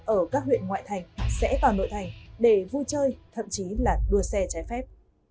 ở các huyện ngoại thành sẽ vào nội thành để vui chơi thậm chí là đua xe trái phép